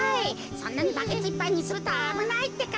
そんなにバケツいっぱいにするとあぶないってか。